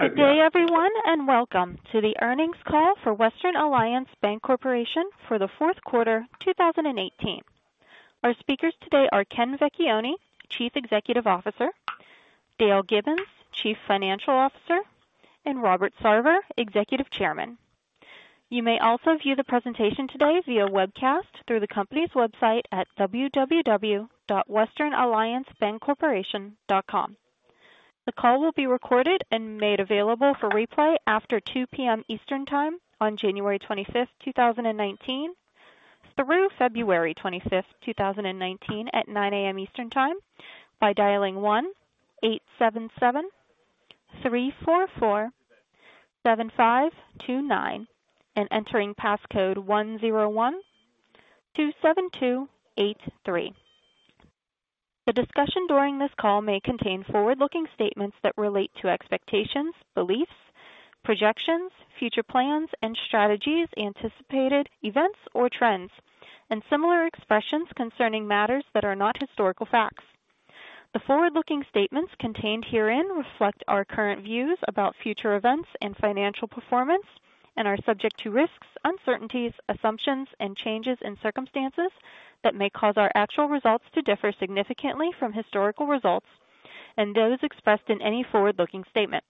Good day, everyone, and welcome to the earnings call for Western Alliance Bancorporation for the Fourth Quarter 2018. Our speakers today are Ken Vecchione, Chief Executive Officer, Dale Gibbons, Chief Financial Officer, and Robert Sarver, Executive Chairman. You may also view the presentation today via webcast through the company's website at www.westernalliancebancorporation.com. The call will be recorded and made available for replay after 2:00 P.M. Eastern Time on January 25th, 2019, through February 25th, 2019, at 9:00 A.M. Eastern Time by dialing 1-877-344-7529 and entering passcode 10127283. The discussion during this call may contain forward-looking statements that relate to expectations, beliefs, projections, future plans and strategies, anticipated events or trends, and similar expressions concerning matters that are not historical facts. The forward-looking statements contained herein reflect our current views about future events and financial performance and are subject to risks, uncertainties, assumptions, and changes in circumstances that may cause our actual results to differ significantly from historical results and those expressed in any forward-looking statement.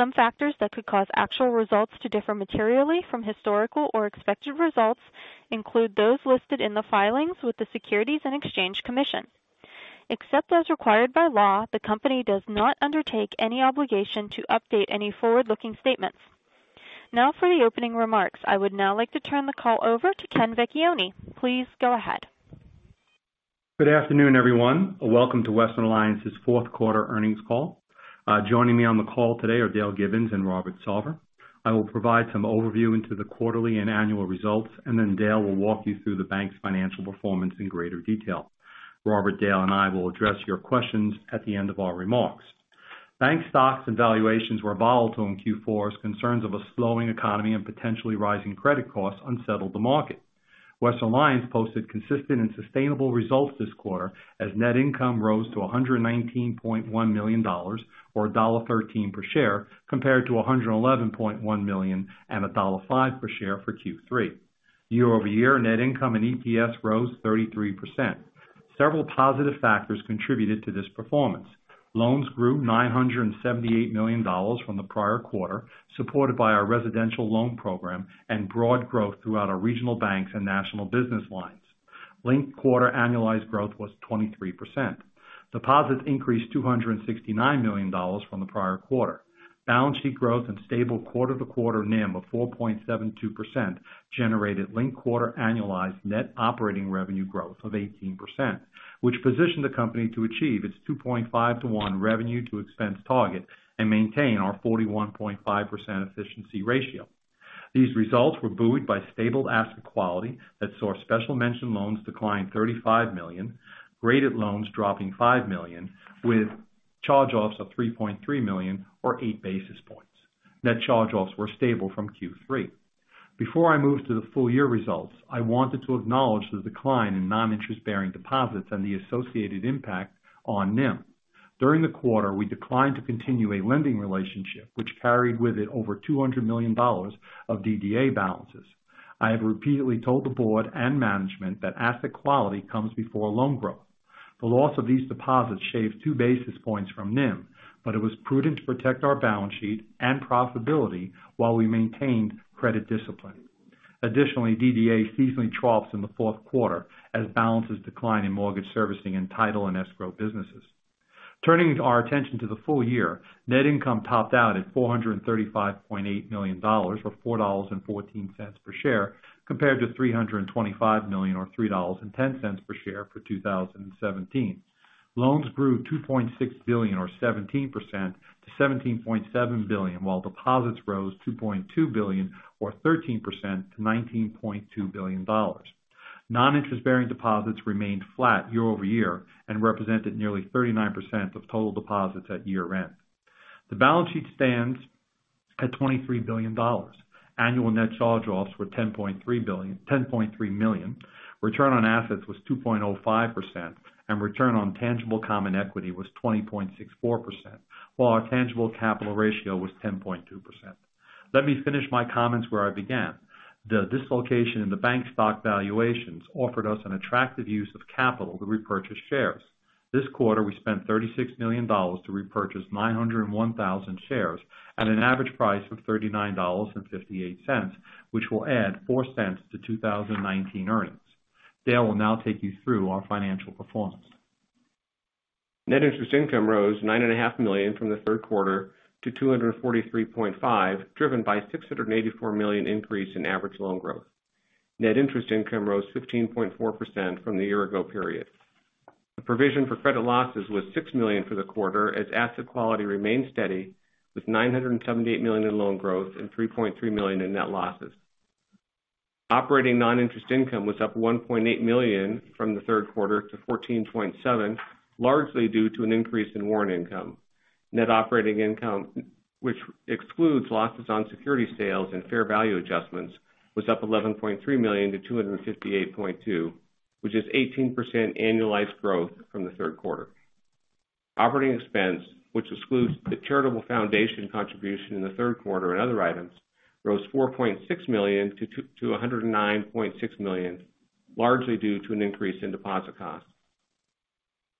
Some factors that could cause actual results to differ materially from historical or expected results include those listed in the filings with the Securities and Exchange Commission. Except as required by law, the company does not undertake any obligation to update any forward-looking statements. Now for the opening remarks. I would now like to turn the call over to Ken Vecchione. Please go ahead. Good afternoon, everyone. Welcome to Western Alliance's fourth quarter earnings call. Joining me on the call today are Dale Gibbons and Robert Sarver. I will provide some overview into the quarterly and annual results. Then Dale will walk you through the bank's financial performance in greater detail. Robert, Dale, and I will address your questions at the end of our remarks. Bank stocks and valuations were volatile in Q4 as concerns of a slowing economy and potentially rising credit costs unsettled the market. Western Alliance posted consistent and sustainable results this quarter as net income rose to $119.1 million, or $1.13 per share, compared to $111.1 million and $1.05 per share for Q3. Year-over-year net income and EPS rose 33%. Several positive factors contributed to this performance. Loans grew $978 million from the prior quarter, supported by our residential loan program and broad growth throughout our regional banks and national business lines. Linked quarter annualized growth was 23%. Deposits increased $269 million from the prior quarter. Balance sheet growth and stable quarter-to-quarter NIM of 4.72% generated linked quarter annualized net operating revenue growth of 18%, which positioned the company to achieve its 2.5:1 revenue to expense target and maintain our 41.5% efficiency ratio. These results were buoyed by stable asset quality that saw special mention loans decline $35 million, graded loans dropping $5 million with charge-offs of $3.3 million or eight basis points. Net charge-offs were stable from Q3. Before I move to the full-year results, I wanted to acknowledge the decline in non-interest bearing deposits and the associated impact on NIM. During the quarter, we declined to continue a lending relationship which carried with it over $200 million of DDA balances. I have repeatedly told the board and management that asset quality comes before loan growth. The loss of these deposits shaved two basis points from NIM, but it was prudent to protect our balance sheet and profitability while we maintained credit discipline. Additionally, DDA seasonally troughs in the fourth quarter as balances decline in mortgage servicing and title and escrow businesses. Turning our attention to the full year, net income topped out at $435.8 million, or $4.14 per share, compared to $325 million or $3.10 per share for 2017. Loans grew $2.6 billion or 17% to $17.7 billion while deposits rose $2.2 billion or 13% to $19.2 billion. Non-interest bearing deposits remained flat year-over-year and represented nearly 39% of total deposits at year end. The balance sheet stands at $23 billion. Annual net charge-offs were $10.3 million. Return on assets was 2.05%, and return on tangible common equity was 20.64%, while our tangible capital ratio was 10.2%. Let me finish my comments where I began. The dislocation in the bank stock valuations offered us an attractive use of capital to repurchase shares. This quarter, we spent $36 million to repurchase 901,000 shares at an average price of $39.58, which will add $0.04 to 2019 earnings. Dale will now take you through our financial performance. Net interest income rose $9.5 million from the third quarter to $243.5 million, driven by a $684 million increase in average loan growth. Net interest income rose 15.4% from the year ago period. The provision for credit losses was $6 million for the quarter as asset quality remained steady with $978 million in loan growth and $3.3 million in net losses. Operating non-interest income was up $1.8 million from the third quarter to $14.7 million, largely due to an increase in warrant income. Net operating income, which excludes losses on security sales and fair value adjustments, was up $11.3 million-$258.2 million. Which is 18% annualized growth from the third quarter. Operating expense, which excludes the charitable foundation contribution in the third quarter and other items, rose to $4.6 million-$109.6 million, largely due to an increase in deposit costs.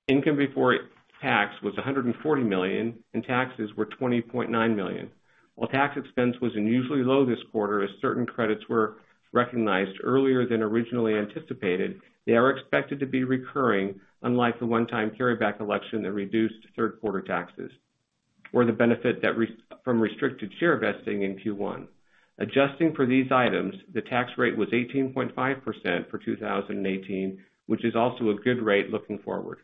Income before tax was $140 million, and taxes were $20.9 million. While tax expense was unusually low this quarter as certain credits were recognized earlier than originally anticipated, they are expected to be recurring unlike the one-time carryback election that reduced third quarter taxes, or the benefit from restricted share vesting in Q1. Adjusting for these items, the tax rate was 18.5% for 2018, which is also a good rate looking forward.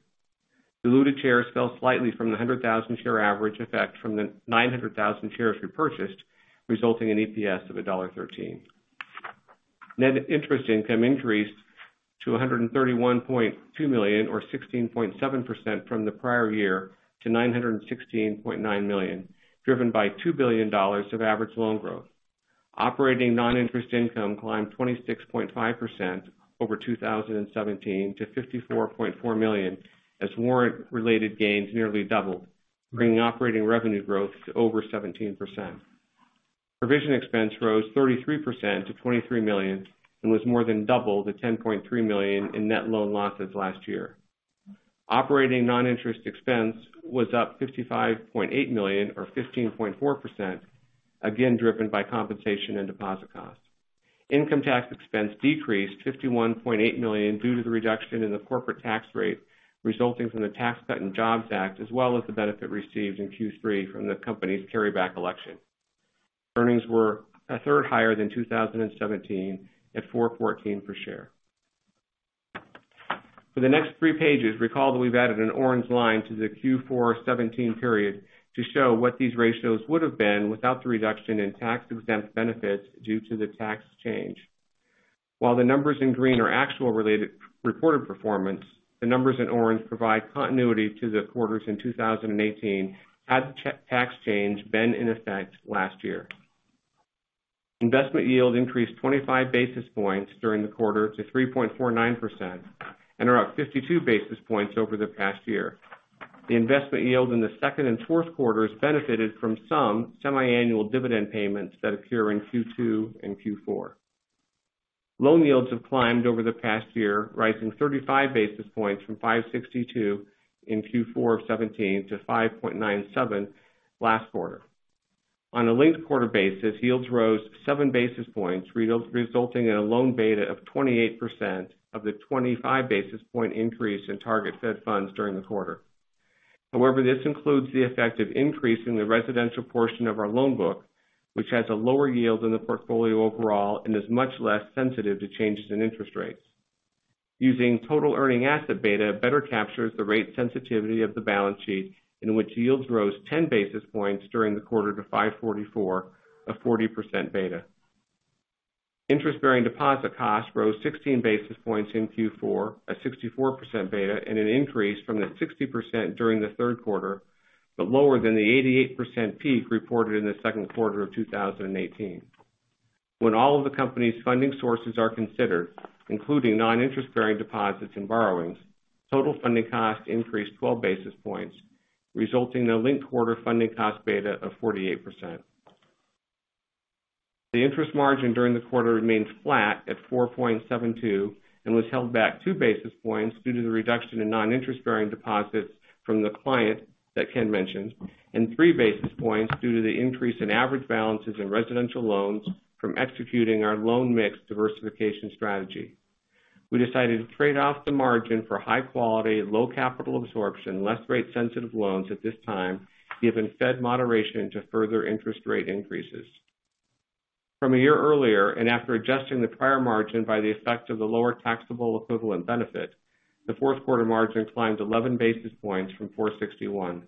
Diluted shares fell slightly from the 100,000 share average effect from the 900,000 shares repurchased, resulting in EPS of $1.13. Net interest income increased to $131.2 million, or 16.7% from the prior year to $916.9 million, driven by $2 billion of average loan growth. Operating non-interest income climbed 26.5% over 2017 to $54.4 million as warrant-related gains nearly doubled, bringing operating revenue growth to over 17%. Provision expense rose 33% to $23 million and was more than double the $10.3 million in net loan losses last year. Operating non-interest expense was up $55.8 million or 15.4%, again driven by compensation and deposit costs. Income tax expense decreased $51.8 million due to the reduction in the corporate tax rate resulting from the Tax Cuts and Jobs Act, as well as the benefit received in Q3 from the company's carryback election. Earnings were a third higher than 2017 at $4.14 per share. For the next three pages, recall that we've added an orange line to the Q4 2017 period to show what these ratios would've been without the reduction in tax-exempt benefits due to the tax change. While the numbers in green are actual reported performance, the numbers in orange provide continuity to the quarters in 2018 had the tax change been in effect last year. Investment yield increased 25 basis points during the quarter to 3.49%, and are up 52 basis points over the past year. The investment yield in the second and fourth quarters benefited from some semiannual dividend payments that occur in Q2 and Q4. Loan yields have climbed over the past year, rising 35 basis points from 562 in Q4 of 2017 to 5.97 last quarter. On a linked quarter basis, yields rose seven basis points, resulting in a loan beta of 28% of the 25 basis point increase in target Fed funds during the quarter. However, this includes the effect of increase in the residential portion of our loan book, which has a lower yield than the portfolio overall and is much less sensitive to changes in interest rates. Using total earning asset beta better captures the rate sensitivity of the balance sheet in which yields rose 10 basis points during the quarter to 544, a 40% beta. Interest-bearing deposit costs rose 16 basis points in Q4 at 64% beta and an increase from the 60% during the third quarter, but lower than the 88% peak reported in the second quarter of 2018. When all of the company's funding sources are considered, including non-interest-bearing deposits and borrowings, total funding costs increased 12 basis points, resulting in a linked quarter funding cost beta of 48%. The interest margin during the quarter remains flat at 4.72 and was held back two basis points due to the reduction in non-interest-bearing deposits from the client that Ken mentioned, and three basis points due to the increase in average balances in residential loans from executing our loan mix diversification strategy. We decided to trade off the margin for high quality, low capital absorption, less rate-sensitive loans at this time, given Fed moderation to further interest rate increases. From a year earlier, and after adjusting the prior margin by the effect of the lower taxable equivalent benefit, the fourth quarter margin climbed 11 basis points from 461.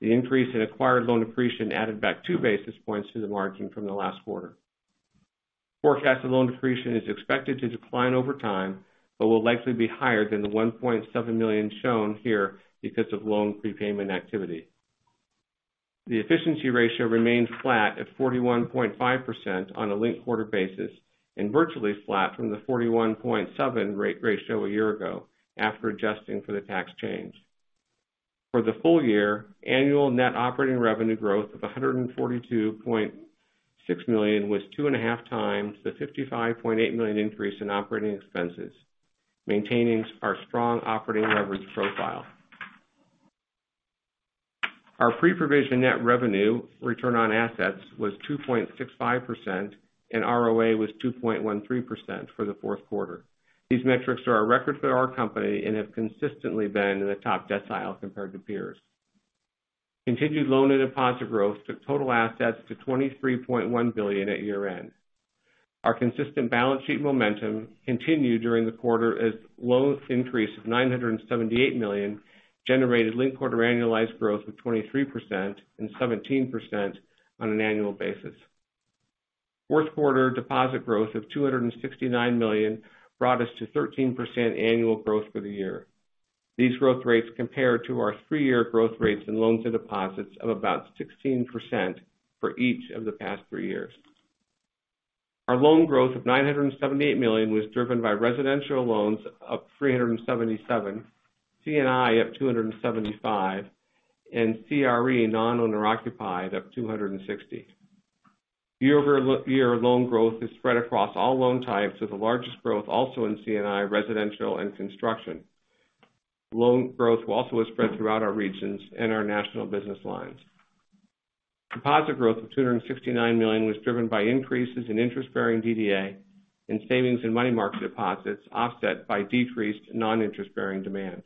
The increase in acquired loan depreciation added back two basis points to the margin from the last quarter. Forecasted loan depreciation is expected to decline over time, but will likely be higher than the $1.7 million shown here because of loan prepayment activity. The efficiency ratio remains flat at 41.5% on a linked quarter basis, and virtually flat from the 41.7% ratio a year ago after adjusting for the tax change. For the full year, annual net operating revenue growth of $142.6 million was 2.5x the $55.8 million increase in operating expenses, maintaining our strong operating leverage profile. Our pre-provision net revenue return on assets was 2.65%, and ROA was 2.13% for the fourth quarter. These metrics are a record for our company and have consistently been in the top decile compared to peers. Continued loan and deposit growth took total assets to $23.1 billion at year-end. Our consistent balance sheet momentum continued during the quarter as loans increase of $978 million generated linked quarter annualized growth of 23% and 17% on an annual basis. Fourth quarter deposit growth of $269 million brought us to 13% annual growth for the year. These growth rates compare to our three-year growth rates in loans and deposits of about 16% for each of the past three years. Our loan growth of $978 million was driven by residential loans up $377 million, C&I up $275 million, and CRE non-owner occupied up $260 million. Year-over-year loan growth is spread across all loan types, with the largest growth also in C&I, residential, and construction. Loan growth also was spread throughout our regions and our national business lines. Deposit growth of $269 million was driven by increases in interest-bearing DDA and savings and money market deposits offset by decreased non-interest-bearing demand.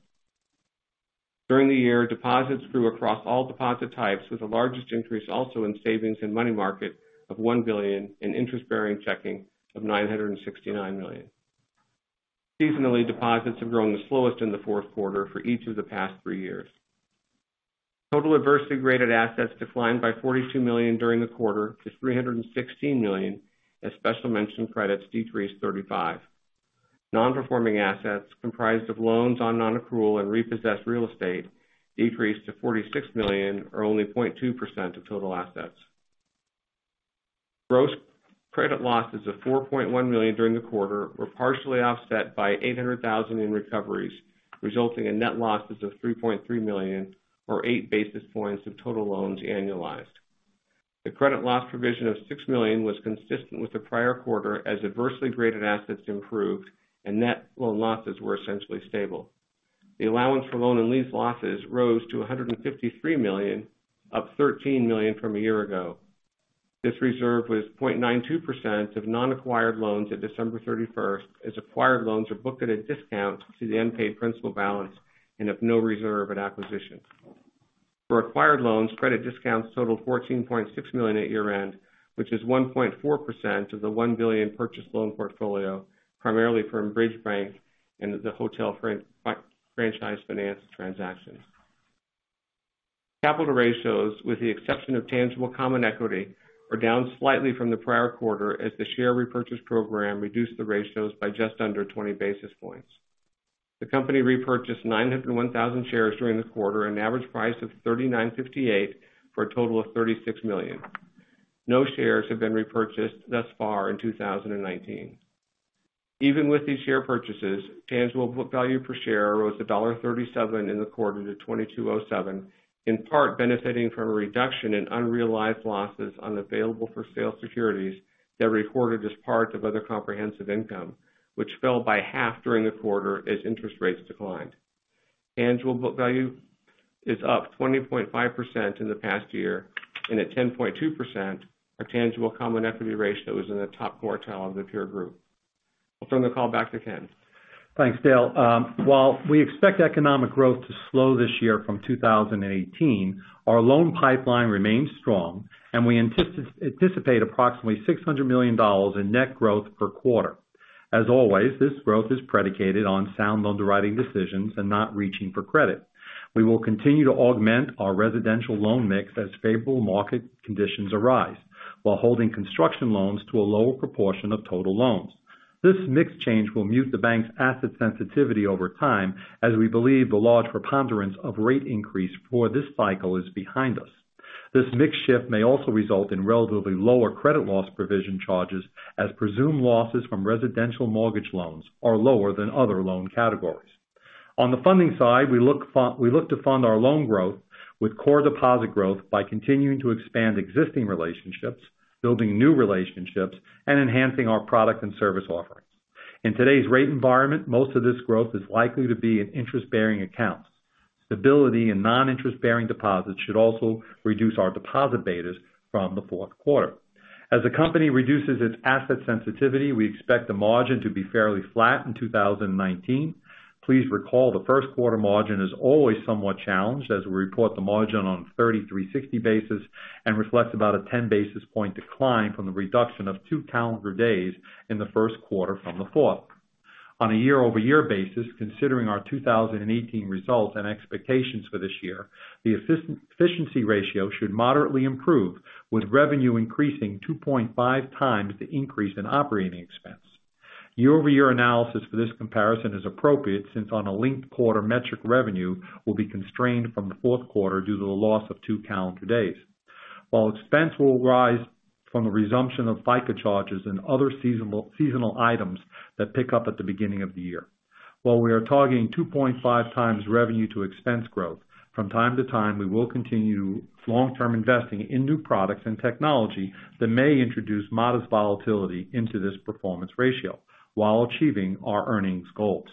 During the year, deposits grew across all deposit types, with the largest increase also in savings and money market of $1 billion in interest-bearing checking of $969 million. Seasonally, deposits have grown the slowest in the fourth quarter for each of the past three years. Total adversity-graded assets declined by $42 million during the quarter to $316 million, as special mention credits decreased $35 million. Non-performing assets comprised of loans on non-accrual and repossessed real estate decreased to $46 million, or only 0.2% of total assets. Gross credit losses of $4.1 million during the quarter were partially offset by $800,000 in recoveries, resulting in net losses of $3.3 million, or eight basis points of total loans annualized. The credit loss provision of $6 million was consistent with the prior quarter as adversely graded assets improved and net loan losses were essentially stable. The allowance for loan and lease losses rose to $153 million, up $13 million from a year ago. This reserve was 0.92% of non-acquired loans at December 31st, as acquired loans are booked at a discount to the unpaid principal balance and have no reserve at acquisition. For acquired loans, credit discounts totaled $14.6 million at year-end, which is 1.4% of the $1 billion purchase loan portfolio, primarily from Bridge Bank and the hotel franchise finance transactions. Capital ratios, with the exception of tangible common equity, are down slightly from the prior quarter as the share repurchase program reduced the ratios by just under 20 basis points. The company repurchased 901,000 shares during the quarter at an average price of $39.58 for a total of $36 million. No shares have been repurchased thus far in 2019. Even with these share purchases, tangible book value per share rose $1.37 in the quarter to $22.07, in part benefiting from a reduction in unrealized losses on available for sale securities that recorded as part of other comprehensive income, which fell by half during the quarter as interest rates declined. Tangible book value is up 20.5% in the past year and at 10.2%, our tangible common equity ratio is in the top quartile of the peer group. I'll turn the call back to Ken. Thanks, Dale. While we expect economic growth to slow this year from 2018, our loan pipeline remains strong, and we anticipate approximately $600 million in net growth per quarter. As always, this growth is predicated on sound underwriting decisions and not reaching for credit. We will continue to augment our residential loan mix as favorable market conditions arise while holding construction loans to a lower proportion of total loans. This mix change will mute the bank's asset sensitivity over time, as we believe the large preponderance of rate increase for this cycle is behind us. This mix shift may also result in relatively lower credit loss provision charges, as presumed losses from residential mortgage loans are lower than other loan categories. On the funding side, we look to fund our loan growth with core deposit growth by continuing to expand existing relationships, building new relationships, and enhancing our product and service offerings. In today's rate environment, most of this growth is likely to be in interest-bearing accounts. Stability in non-interest-bearing deposits should also reduce our deposit betas from the fourth quarter. As the company reduces its asset sensitivity, we expect the margin to be fairly flat in 2019. Please recall the first quarter margin is always somewhat challenged as we report the margin on 30/360 basis and reflects about a 10 basis point decline from the reduction of two calendar days in the first quarter from the fourth. On a year-over-year basis, considering our 2018 results and expectations for this year, the efficiency ratio should moderately improve with revenue increasing 2.5x the increase in operating expense. Year-over-year analysis for this comparison is appropriate since on a linked quarter metric revenue will be constrained from the fourth quarter due to the loss of two calendar days. While expense will rise from the resumption of FICA charges and other seasonal items that pick up at the beginning of the year. While we are targeting 2.5x revenue to expense growth, from time to time, we will continue long-term investing in new products and technology that may introduce modest volatility into this performance ratio while achieving our earnings goals.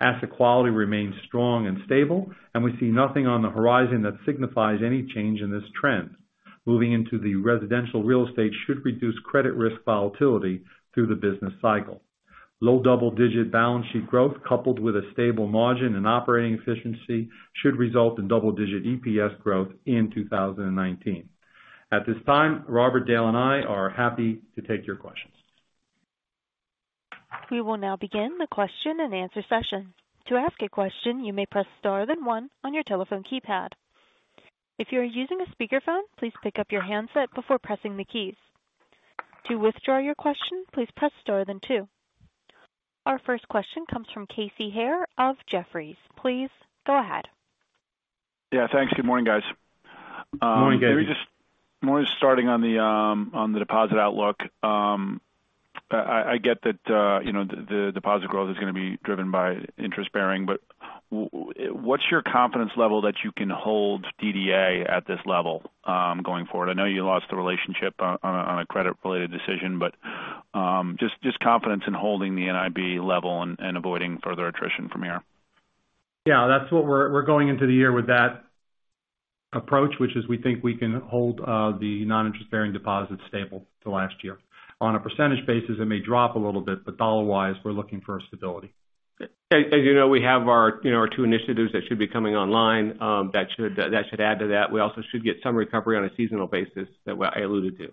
Asset quality remains strong and stable, and we see nothing on the horizon that signifies any change in this trend. Moving into the residential real estate should reduce credit risk volatility through the business cycle. Low double-digit balance sheet growth coupled with a stable margin and operating efficiency should result in double-digit EPS growth in 2019. At this time, Robert, Dale, and I are happy to take your questions. We will now begin the question and answer session. To ask a question, you may press star then one on your telephone keypad. If you are using a speakerphone, please pick up your handset before pressing the keys. To withdraw your question, please press star then two. Our first question comes from Casey Haire of Jefferies. Please go ahead. Yeah. Thanks. Good morning, guys. Morning, Casey. Maybe just starting on the deposit outlook. I get that the deposit growth is going to be driven by interest-bearing, but what's your confidence level that you can hold DDA at this level going forward? I know you lost the relationship on a credit-related decision, but just confidence in holding the NIB level and avoiding further attrition from here. Yeah. We're going into the year with that approach, which is we think we can hold the non-interest-bearing deposits stable to last year. On a percentage basis, it may drop a little bit, but dollar-wise, we're looking for a stability. As you know, we have our two initiatives that should be coming online that should add to that. We also should get some recovery on a seasonal basis that I alluded to.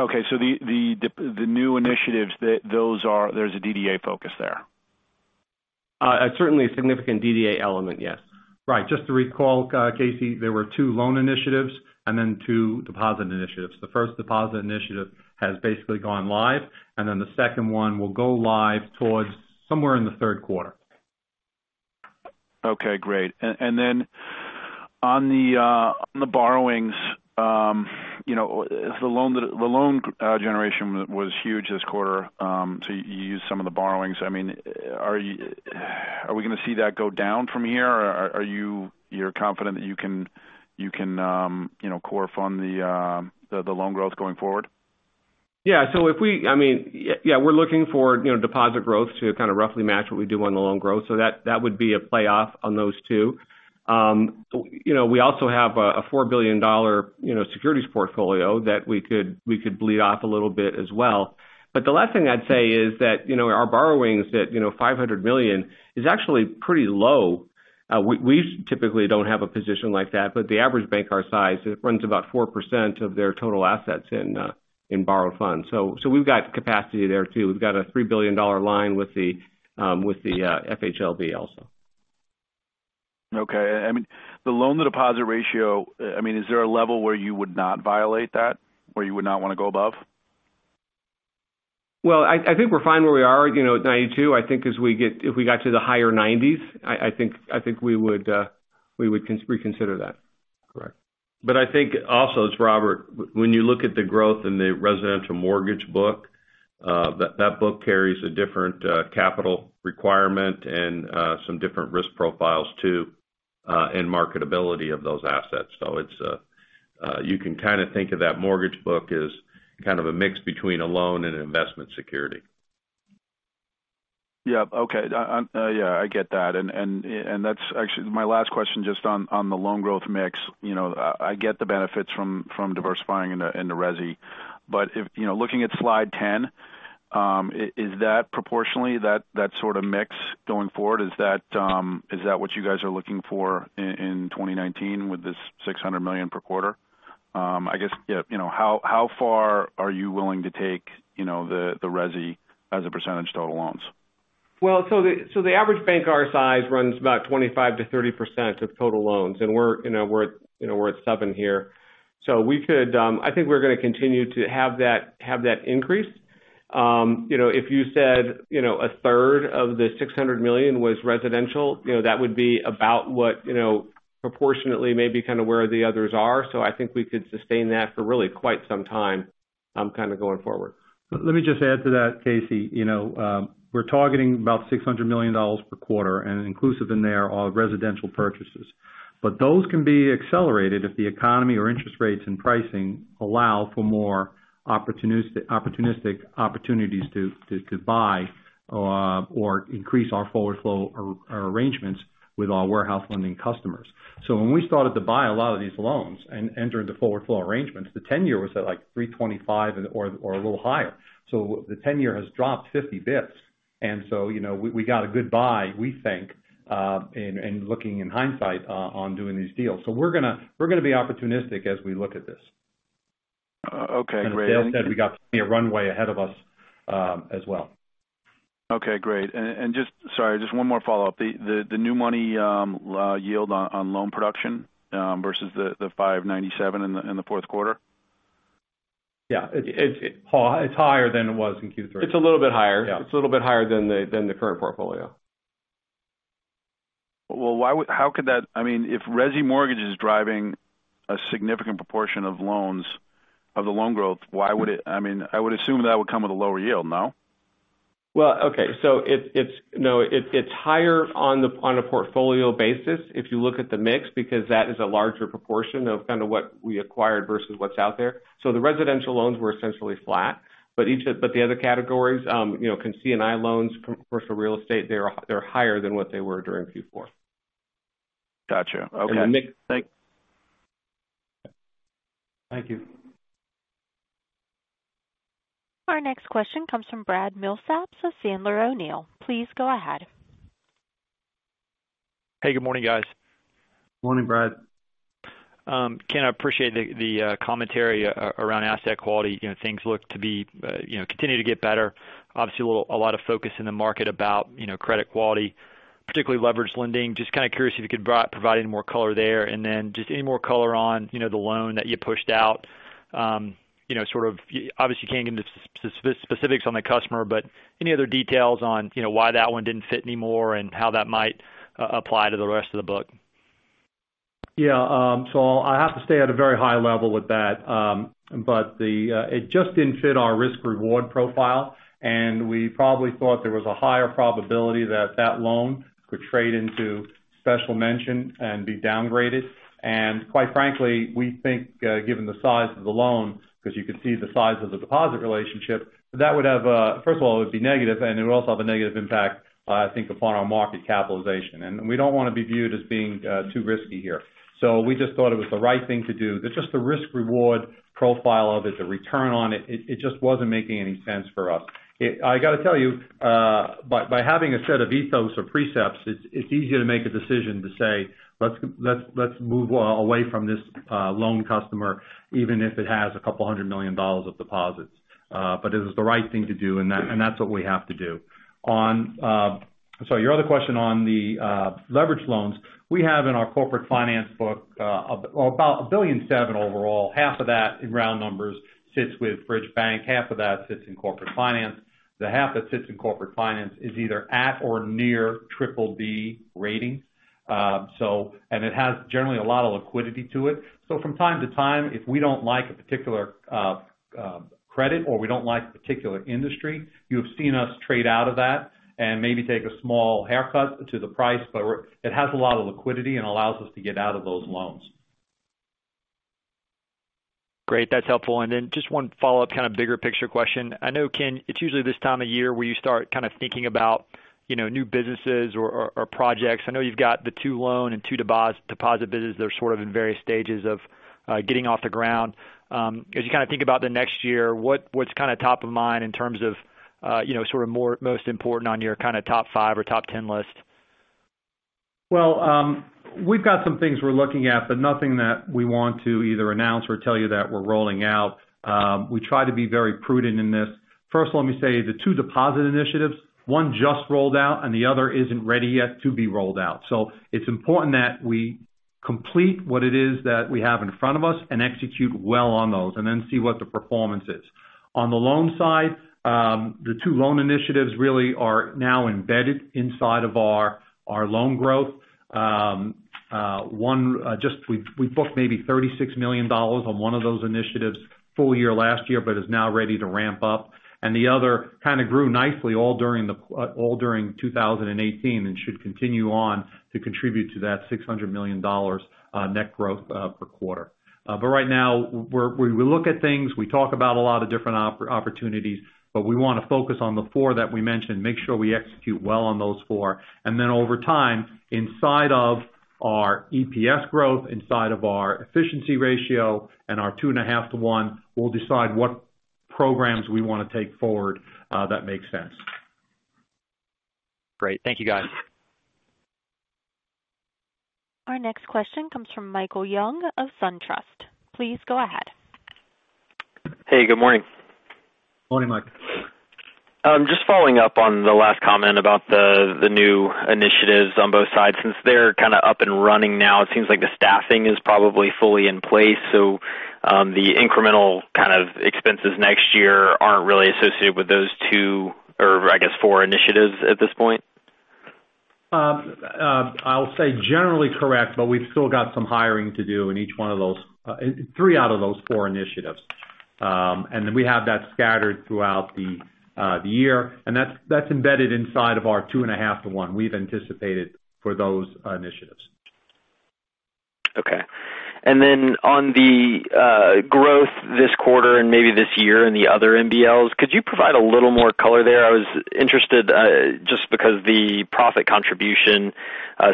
Okay. The new initiatives, there's a DDA focus there. Certainly a significant DDA element, yes. Right. Just to recall, Casey, there were two loan initiatives and then two deposit initiatives. The first deposit initiative has basically gone live, and then the second one will go live towards somewhere in the third quarter. Okay, great. On the borrowings, the loan generation was huge this quarter, so you used some of the borrowings. Are we going to see that go down from here, or you're confident that you can core fund the loan growth going forward? Yeah. We're looking for deposit growth to kind of roughly match what we do on the loan growth. That would be a playoff on those two. We also have a $4 billion securities portfolio that we could bleed off a little bit as well. The last thing I'd say is that our borrowings, that $500 million, is actually pretty low. We typically don't have a position like that, but the average bank our size, it runs about 4% of their total assets in borrowed funds. We've got capacity there, too. We've got a $3 billion line with the FHLB also. Okay. The loan-to-deposit ratio, is there a level where you would not violate that, where you would not want to go above? Well, I think we're fine where we are at 92. I think if we got to the higher 90s, I think we would reconsider that. Correct. I think also, it's Robert. When you look at the growth in the residential mortgage book, that book carries a different capital requirement and some different risk profiles too and marketability of those assets. You can kind of think of that mortgage book as kind of a mix between a loan and an investment security. Yep. Okay. Yeah, I get that. That's actually my last question just on the loan growth mix. I get the benefits from diversifying in the resi. Looking at slide 10, is that proportionally that sort of mix going forward? Is that what you guys are looking for in 2019 with this $600 million per quarter? How far are you willing to take the resi as a percentage total loans? Well, the average bank our size runs about 25%-30% of total loans, and we're at seven here. I think we're going to continue to have that increase. If you said a third of the $600 million was residential, that would be about what proportionately may be kind of where the others are. I think we could sustain that for really quite some time going forward. Let me just add to that, Casey. We're targeting about $600 million per quarter. Inclusive in there are residential purchases. Those can be accelerated if the economy or interest rates and pricing allow for more opportunistic opportunities to buy or increase our forward flow arrangements with our warehouse funding customers. When we started to buy a lot of these loans and enter into forward flow arrangements, the 10-year was at like 325 or a little higher. The 10-year has dropped 50 basis points. We got a good buy, we think, in looking in hindsight on doing these deals. We're going to be opportunistic as we look at this. Okay, great. As Dale said, we got a runway ahead of us as well. Okay, great. Sorry, just one more follow-up. The new money yield on loan production versus the 597 in the fourth quarter? Yeah. It's higher than it was in Q3. It's a little bit higher. Yeah. It's a little bit higher than the current portfolio. If resi mortgage is driving a significant proportion of the loan growth, I would assume that would come with a lower yield, no? Well, okay. It's higher on a portfolio basis if you look at the mix because that is a larger proportion of kind of what we acquired versus what's out there. The residential loans were essentially flat. The other categories, C&I loans, commercial real estate, they're higher than what they were during Q4. Got you. Okay. [inaudible] Thank you. Our next question comes from Brad Milsaps of Sandler O'Neill. Please go ahead. Hey, good morning, guys. Morning, Brad. Ken, I appreciate the commentary around asset quality. Things look to continue to get better. Obviously, a lot of focus in the market about credit quality, particularly leverage lending. Just kind of curious if you could provide any more color there. Just any more color on the loan that you pushed out. Obviously, you can't get into specifics on the customer, but any other details on why that one didn't fit anymore and how that might apply to the rest of the book? Yeah. I have to stay at a very high level with that. It just didn't fit our risk-reward profile, and we probably thought there was a higher probability that that loan could trade into special mention and be downgraded. Quite frankly, we think, given the size of the loan, because you could see the size of the deposit relationship, first of all, it would be negative, and it would also have a negative impact, I think, upon our market capitalization. We don't want to be viewed as being too risky here. We just thought it was the right thing to do. Just the risk-reward profile of it, the return on it just wasn't making any sense for us. I got to tell you, by having a set of ethos or precepts, it's easier to make a decision to say, "Let's move away from this loan customer," even if it has about $200 million of deposits. It is the right thing to do, and that's what we have to do. Your other question on the leverage loans. We have in our corporate finance book about $1.7 billion overall. Half of that, in round numbers, sits with Bridge Bank, half of that sits in corporate finance. The half that sits in corporate finance is either at or near triple B rating. It has generally a lot of liquidity to it. From time to time, if we don't like a particular credit or we don't like a particular industry, you have seen us trade out of that and maybe take a small haircut to the price, but it has a lot of liquidity and allows us to get out of those loans. Great. That's helpful. Just one follow-up kind of bigger picture question. I know, Ken, it's usually this time of year where you start kind of thinking about new businesses or projects. I know you've got the two loan and two deposit businesses that are sort of in various stages of getting off the ground. As you kind of think about the next year, what's kind of top of mind in terms of sort of most important on your kind of top five or top 10 list? Well, we've got some things we're looking at, nothing that we want to either announce or tell you that we're rolling out. We try to be very prudent in this. First, let me say the two deposit initiatives, one just rolled out and the other isn't ready yet to be rolled out. It's important that we complete what it is that we have in front of us and execute well on those, then see what the performance is. On the loan side, the two loan initiatives really are now embedded inside of our loan growth. We booked maybe $36 million on one of those initiatives full year last year, but is now ready to ramp up. The other kind of grew nicely all during 2018 and should continue on to contribute to that $600 million net growth per quarter. Right now, we look at things, we talk about a lot of different opportunities, but we want to focus on the four that we mentioned, make sure we execute well on those four. Over time, inside of our EPS growth, inside of our efficiency ratio and our 2.5:1, we'll decide what programs we want to take forward that makes sense. Great. Thank you, guys. Our next question comes from Michael Young of SunTrust. Please go ahead. Hey, good morning. Morning, Michael. Just following up on the last comment about the new initiatives on both sides. Since they're kind of up and running now, it seems like the staffing is probably fully in place, so the incremental kind of expenses next year aren't really associated with those two or, I guess, four initiatives at this point? I'll say generally correct, but we've still got some hiring to do in three out of those four initiatives. We have that scattered throughout the year. That's embedded inside of our 2.5:1 we've anticipated for those initiatives. Okay. On the growth this quarter and maybe this year in the other MBLs, could you provide a little more color there? I was interested just because the profit contribution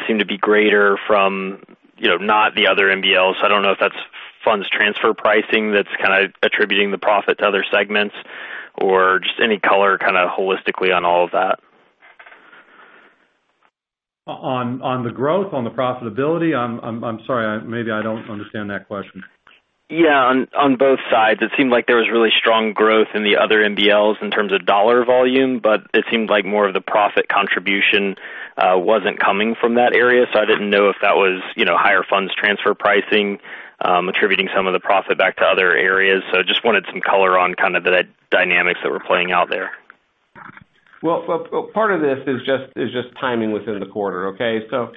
seemed to be greater from not the other MBLs. I don't know if that's funds transfer pricing that's kind of attributing the profit to other segments, or just any color kind of holistically on all of that. On the growth? On the profitability? I'm sorry, maybe I don't understand that question. Yeah. On both sides. It seemed like there was really strong growth in the other MBLs in terms of dollar volume, but it seemed like more of the profit contribution wasn't coming from that area. I didn't know if that was higher funds transfer pricing attributing some of the profit back to other areas. I just wanted some color on kind of the dynamics that were playing out there. Part of this is just timing within the quarter. As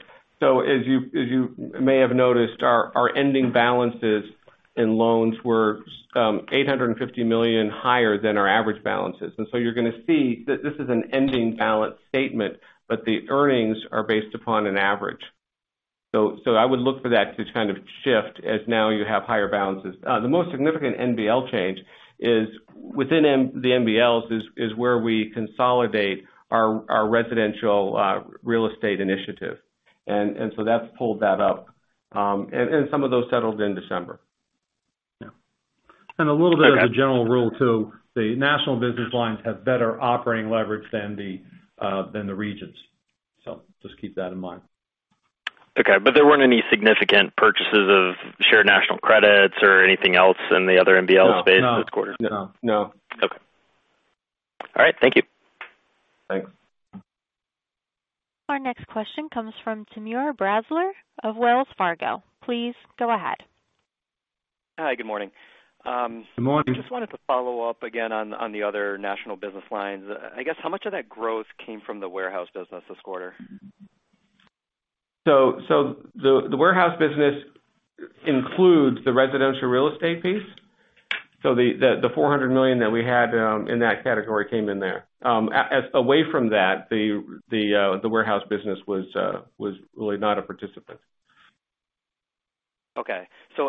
you may have noticed, our ending balances in loans were $850 million higher than our average balances. You're going to see that this is an ending balance statement, but the earnings are based upon an average. I would look for that to kind of shift as now you have higher balances. The most significant MBL change within the MBLs is where we consolidate our residential real estate initiative. That's pulled that up. Some of those settled in December. Yeah. A little bit of a general rule, too. The national business lines have better operating leverage than the regions. Just keep that in mind. There weren't any significant purchases of shared national credits or anything else in the other MBL space this quarter? No. Thank you. Thanks. Our next question comes from Timur Braziler of Wells Fargo. Please go ahead. Hi. Good morning. Good morning. Just wanted to follow up again on the other national business lines. I guess, how much of that growth came from the warehouse business this quarter? The warehouse business includes the residential real estate piece. The $400 million that we had in that category came in there. Away from that, the warehouse business was really not a participant. Okay.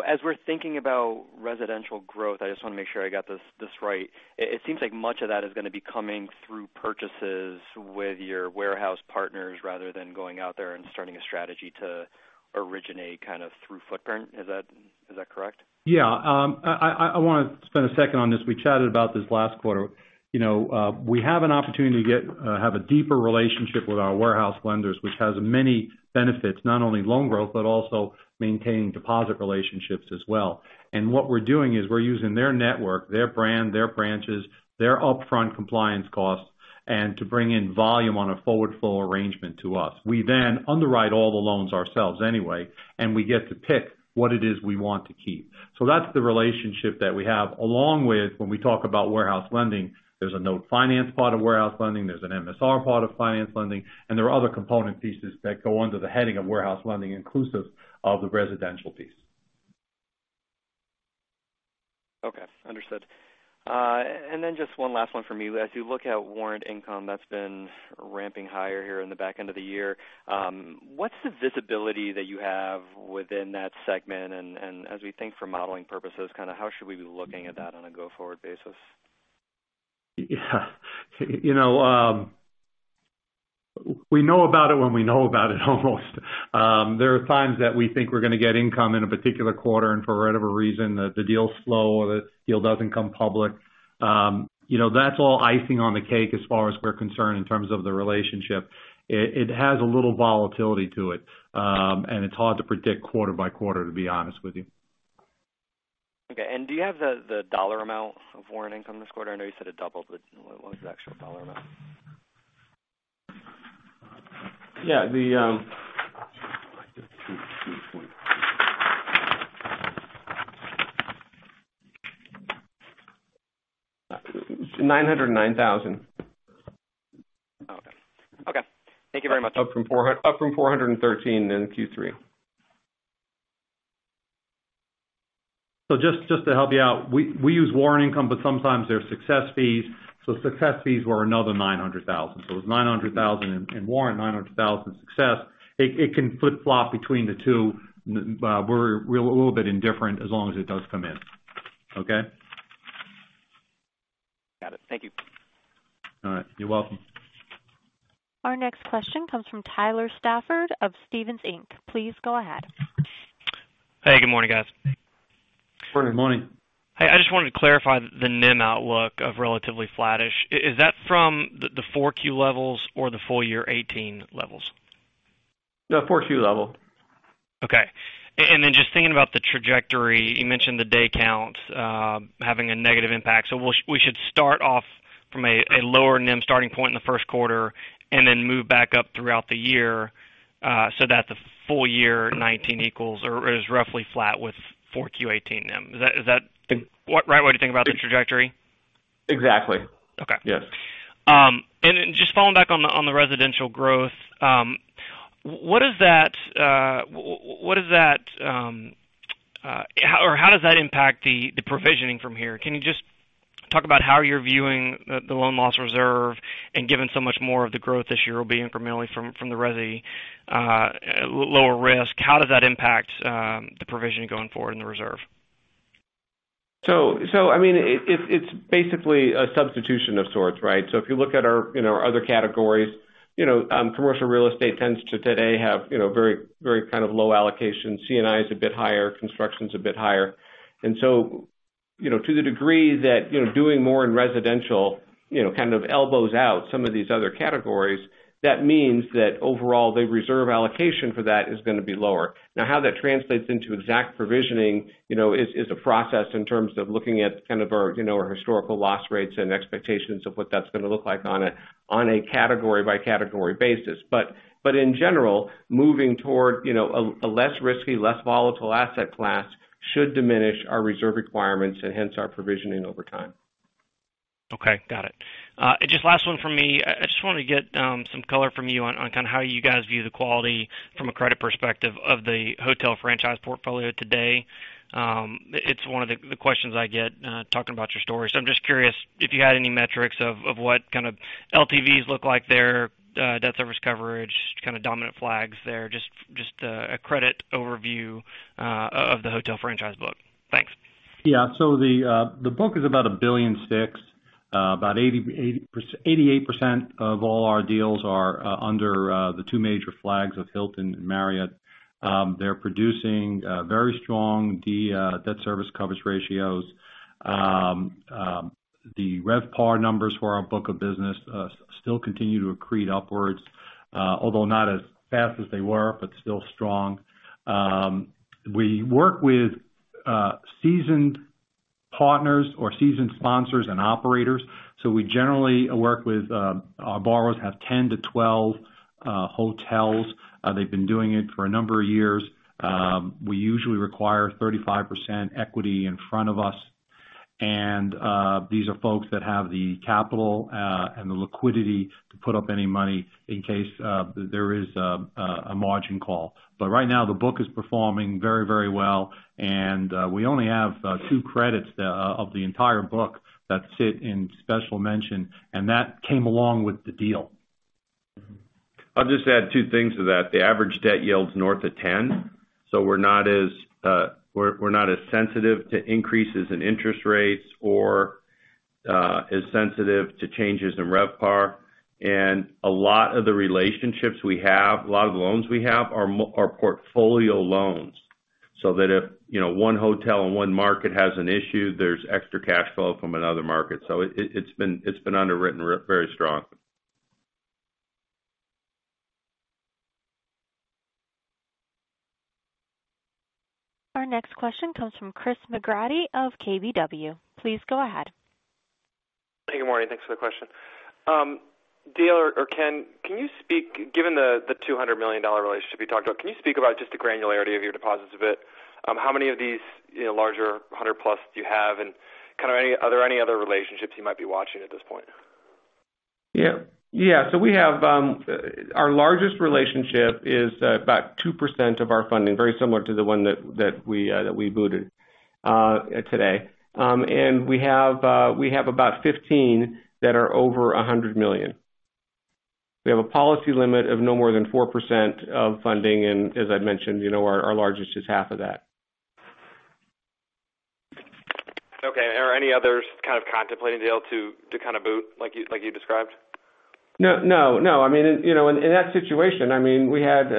As we're thinking about residential growth, I just want to make sure I got this right. It seems like much of that is going to be coming through purchases with your warehouse partners, rather than going out there and starting a strategy to originate kind of through footprint. Is that correct? Yeah. I want to spend a second on this. We chatted about this last quarter. We have an opportunity to have a deeper relationship with our warehouse lenders, which has many benefits, not only loan growth, but also maintaining deposit relationships as well. What we're doing is we're using their network, their brand, their branches, their upfront compliance costs, and to bring in volume on a forward flow arrangement to us. We underwrite all the loans ourselves anyway, and we get to pick what it is we want to keep. That's the relationship that we have along with when we talk about warehouse lending, there's a note finance part of warehouse lending, there's an MSR part of finance lending, and there are other component pieces that go under the heading of warehouse lending inclusive of the residential piece. Okay. Understood. Just one last one from me. As you look at warrant income that's been ramping higher here in the back end of the year, what's the visibility that you have within that segment? As we think for modeling purposes, kind of how should we be looking at that on a go-forward basis? We know about it when we know about it almost. There are times that we think we're going to get income in a particular quarter, for whatever reason, the deal's slow or the deal doesn't come public. That's all icing on the cake as far as we're concerned in terms of the relationship. It has a little volatility to it. It's hard to predict quarter-by-quarter, to be honest with you. Okay. Do you have the dollar amount of warrant income this quarter? I know you said it doubled, but what was the actual dollar amount? Yeah. $909,000. [inaudible] Thank you very much. Up from $413,000 in Q3. Just to help you out, we use warrant income, but sometimes there's success fees. Success fees were another $900,000. It was $900,000 in warrant, $900,000 in success. It can flip-flop between the two. We're a little bit indifferent as long as it does come in. Okay? Got it. Thank you. All right. You're welcome. Our next question comes from Tyler Stafford of Stephens Inc. Please go ahead. Hey, good morning, guys. Good morning. Hey, I just wanted to clarify the NIM outlook of relatively flattish. Is that from the 4Q levels or the full year 2018 levels? The 4Q level. Okay. Just thinking about the trajectory, you mentioned the day count having a negative impact. We should start off from a lower NIM starting point in the first quarter and then move back up throughout the year, so that the full year 2019 equals or is roughly flat with 4Q 2018 NIM. Is that the right way to think about the trajectory? Exactly. Okay. Yes. Just following back on the residential growth, how does that impact the provisioning from here? Can you just talk about how you're viewing the loan loss reserve and given so much more of the growth this year will be incrementally from the resi lower risk, how does that impact the provision going forward in the reserve? It's basically a substitution of sorts, right? If you look at our other categories, commercial real estate tends to today have very kind of low allocation. C&I is a bit higher. Construction's a bit higher. To the degree that doing more in residential kind of elbows out some of these other categories, that means that overall the reserve allocation for that is going to be lower. How that translates into exact provisioning is a process in terms of looking at kind of our historical loss rates and expectations of what that's going to look like on a category by category basis. In general, moving toward a less risky, less volatile asset class should diminish our reserve requirements and hence our provisioning over time. Okay. Got it. Just last one from me. I just wanted to get some color from you on kind of how you guys view the quality from a credit perspective of the hotel franchise portfolio today. It's one of the questions I get talking about your story. I'm just curious if you had any metrics of what kind of LTVs look like there, debt service coverage, kind of dominant flags there, just a credit overview of the hotel franchise book. Thanks. The book is about $1 billion. About 88% of all our deals are under the two major flags of Hilton and Marriott. They're producing very strong debt service coverage ratios. The RevPAR numbers for our book of business still continue to accrete upwards although not as fast as they were, but still strong. We work with seasoned Partners or seasoned sponsors and operators. We generally work with, our borrowers have 10-12 hotels. They've been doing it for a number of years. We usually require 35% equity in front of us, and these are folks that have the capital and the liquidity to put up any money in case there is a margin call. Right now, the book is performing very well, and we only have two credits of the entire book that sit in special mention, and that came along with the deal. I'll just add two things to that. The average debt yield's north of 10. We're not as sensitive to increases in interest rates or as sensitive to changes in RevPAR. A lot of the relationships we have, a lot of the loans we have are portfolio loans, so that if one hotel and one market has an issue, there's extra cash flow from another market. It's been underwritten very strongly. Our next question comes from Chris McGratty of KBW. Please go ahead. Good morning. Thanks for the question. Dale or Ken, given the $200 million relationship you talked about, can you speak about just the granularity of your deposits a bit? How many of these larger 100+ do you have, and are there any other relationships you might be watching at this point? Our largest relationship is about 2% of our funding, very similar to the one that we booted today. We have about 15 that are over $100 million. We have a policy limit of no more than 4% of funding, as I'd mentioned, our largest is half of that. Are any others kind of contemplating, Dale, to boot like you described? No. In that situation, we had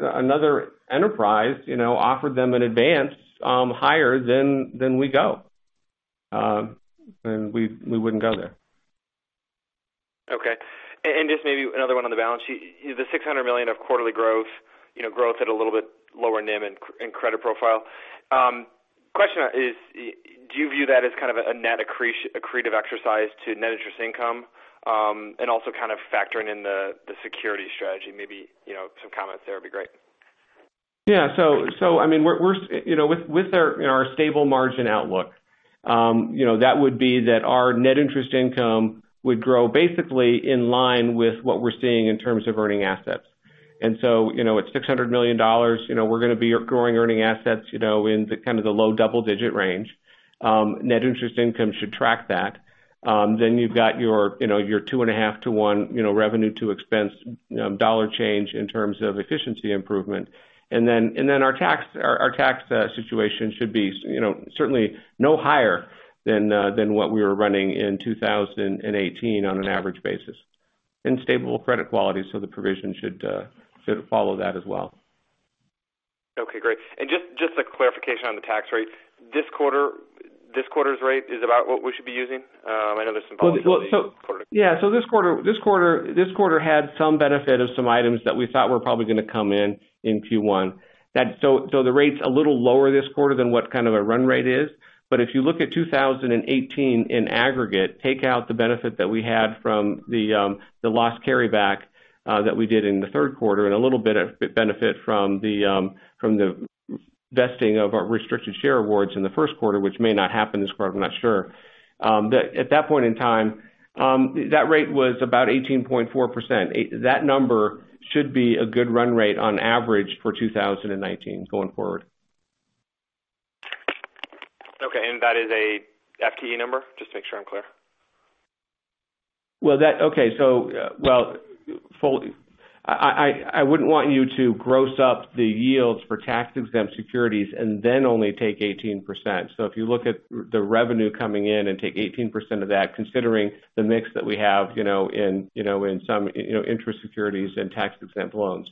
another enterprise offer them an advance higher than we go. We wouldn't go there. Okay. Just maybe another one on the balance sheet. The $600 million of quarterly growth at a little bit lower NIM and credit profile. Question is, do you view that as kind of a net accretive exercise to net interest income? Also kind of factoring in the security strategy, maybe some comments there would be great. Yeah. With our stable margin outlook, that would be that our net interest income would grow basically in line with what we're seeing in terms of earning assets. At $600 million, we're going to be growing earning assets in kind of the low double-digit range. Net interest income should track that. You've got your 2.5:1 revenue to expense dollar change in terms of efficiency improvement. Our tax situation should be certainly no higher than what we were running in 2018 on an average basis. Stable credit quality, so the provision should follow that as well. Okay, great. Just a clarification on the tax rate. This quarter's rate is about what we should be using? I know there's Yeah. This quarter had some benefit of some items that we thought were probably going to come in in Q1. The rate's a little lower this quarter than what kind of a run rate is. If you look at 2018 in aggregate, take out the benefit that we had from the loss carryback that we did in the third quarter and a little bit of benefit from the vesting of our restricted share awards in the first quarter, which may not happen this quarter, I'm not sure. At that point in time, that rate was about 18.4%. That number should be a good run rate on average for 2019 going forward. Okay, that is a FTE number? Just to make sure I'm clear. Okay. I wouldn't want you to gross up the yields for tax-exempt securities and then only take 18%. If you look at the revenue coming in and take 18% of that, considering the mix that we have in some interest securities and tax-exempt loans,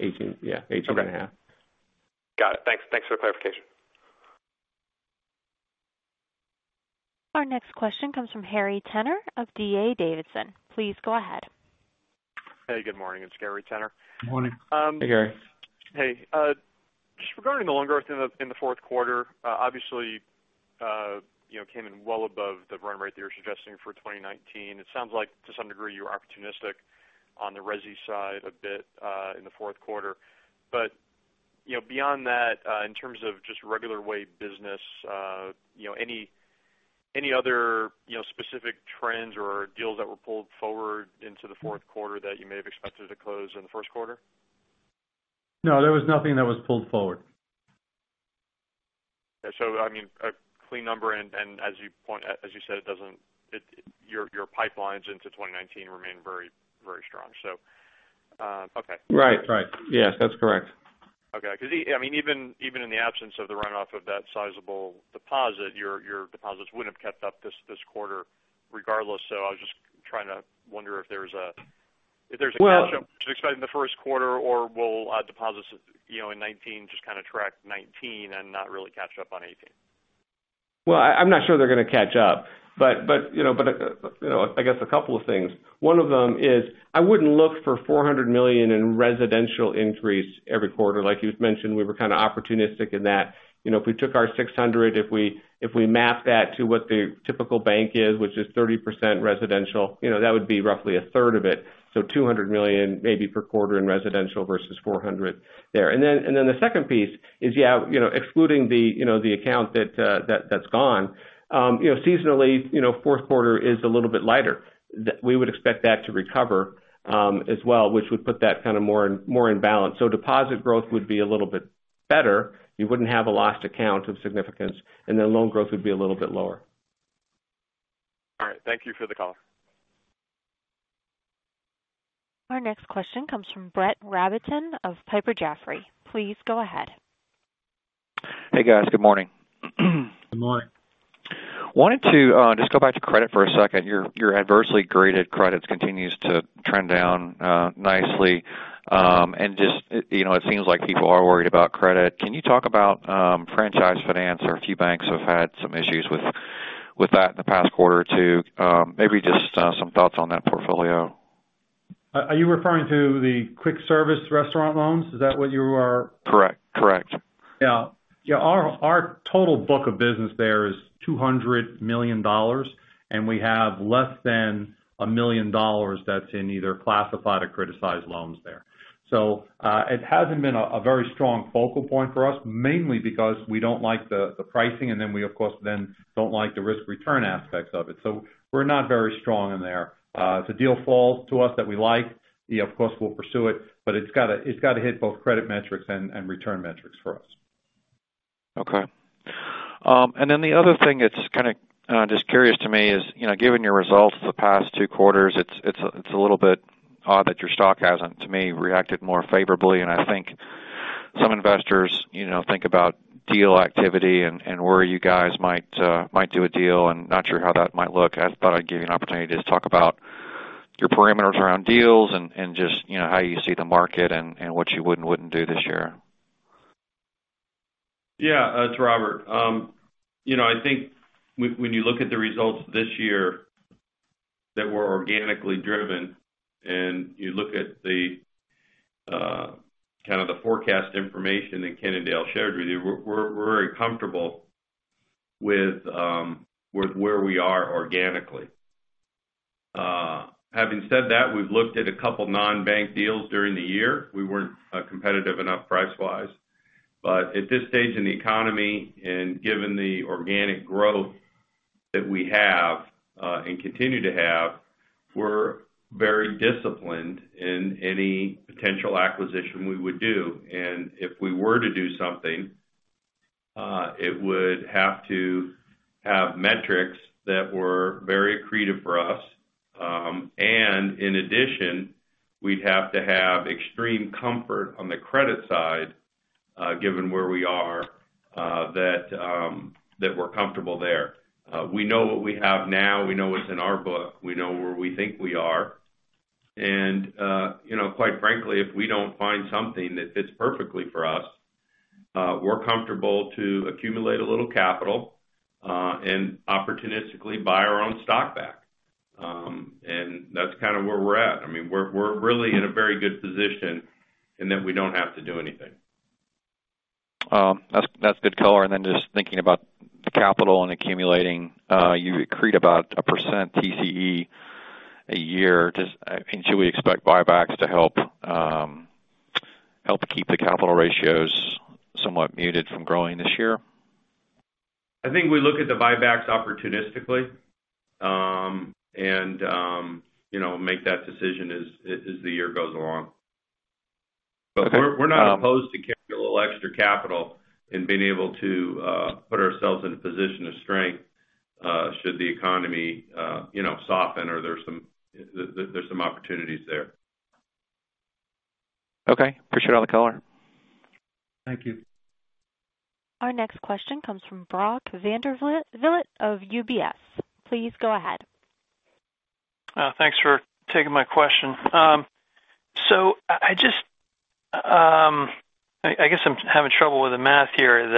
18.5%. Okay. Got it. Thanks for the clarification. Our next question comes from Gary Tenner of D.A. Davidson. Please go ahead. Hey, good morning. It's Gary Tenner. Good morning. Hey, Gary. Hey. Just regarding the loan growth in the fourth quarter. Obviously, came in well above the run rate that you were suggesting for 2019. Beyond that, in terms of just regular-way business any other specific trends or deals that were pulled forward into the fourth quarter that you may have expected to close in the first quarter? No, there was nothing that was pulled forward. A clean number, and as you said, your pipelines into 2019 remain very strong. Okay. Right. Yes, that's correct. Okay. Even in the absence of the runoff of that sizable deposit, your deposits would have kept up this quarter regardless. I was just trying to wonder if there's a catch-up. Well- What to expect in the first quarter, or will deposits in 2019 just kind of track 2019 and not really catch up on 2018? Well, I'm not sure they're going to catch up. I guess a couple of things. One of them is I wouldn't look for $400 million in residential increase every quarter. Like you've mentioned, we were kind of opportunistic in that. If we took our $600 million, if we map that to what the typical bank is, which is 30% residential, that would be roughly a third of it, so $200 million, maybe per quarter in residential versus $400 million there. The second piece is, yeah, excluding the account that's gone. Seasonally, fourth quarter is a little bit lighter. We would expect that to recover as well, which would put that kind of more in balance. Deposit growth would be a little bit better. You wouldn't have a lost account of significance, and then loan growth would be a little bit lower. All right. Thank you for the call. Our next question comes from Brett Rabatin of Piper Jaffray. Please go ahead. Hey, guys. Good morning. Good morning. Wanted to just go back to credit for a second. Your adversely graded credits continues to trend down nicely. It seems like people are worried about credit. Can you talk about franchise finance? Our few banks have had some issues with that in the past quarter too. Maybe just some thoughts on that portfolio. Are you referring to the quick service restaurant loans? Is that what you are? Correct. Yeah. Our total book of business there is $200 million, and we have less than $1 million that's in either classified or criticized loans there. It hasn't been a very strong focal point for us, mainly because we don't like the pricing, and then we, of course, then don't like the risk-return aspects of it. We're not very strong in there. If a deal falls to us that we like, yeah, of course, we'll pursue it, but it's got to hit both credit metrics and return metrics for us. Okay. The other thing that's kind of just curious to me is, given your results the past two quarters, it's a little bit odd that your stock hasn't, to me, reacted more favorably. I think some investors think about deal activity and where you guys might do a deal and not sure how that might look. I thought I'd give you an opportunity to talk about your perimeters around deals and just how you see the market and what you would and wouldn't do this year. Yeah. It's Robert. I think when you look at the results this year that were organically driven and you look at kind of the forecast information that Ken and Dale shared with you, we're very comfortable with where we are organically. Having said that, we've looked at a couple non-bank deals during the year. We weren't competitive enough price-wise. At this stage in the economy and given the organic growth that we have, and continue to have, we're very disciplined in any potential acquisition we would do. If we were to do something, it would have to have metrics that were very accretive for us. In addition, we'd have to have extreme comfort on the credit side, given where we are, that we're comfortable there. We know what we have now. We know what's in our book. We know where we think we are. Quite frankly, if we don't find something that fits perfectly for us, we're comfortable to accumulate a little capital and opportunistically buy our own stock back. That's kind of where we're at. I mean, we're really in a very good position in that we don't have to do anything. That's good color. Just thinking about the capital and accumulating, you accrete about 1% TCE a year. Should we expect buybacks to help keep the capital ratios somewhat muted from growing this year? I think we look at the buybacks opportunistically and make that decision as the year goes along. Okay. We're not opposed to keeping a little extra capital and being able to put ourselves in a position of strength should the economy soften or there's some opportunities there. Okay. Appreciate all the color. Thank you. Our next question comes from Brock Vandervliet of UBS. Please go ahead. Thanks for taking my question. I guess I'm having trouble with the math here